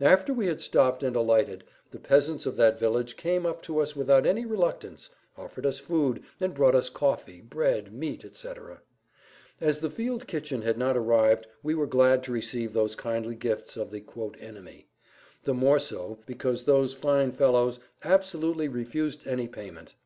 After we had stopped and alighted, the peasants of that village came up to us without any reluctance, offered us food, and brought us coffee, bread, meat, etc. As the field kitchen had not arrived we were glad to receive those kindly gifts of the "enemy," the more so because those fine fellows absolutely refused any payment.